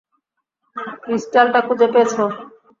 ক্রিস্টালটা খুঁজে পেয়েছ?